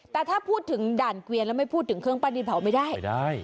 แต่ถ้าพูดถึงด่านเกวียนแล้วไม่พูดถึงเครื่องปั้นดินเผาไม่ได้ไม่ได้